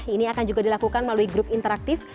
ini akan juga dilakukan melalui grup interaktif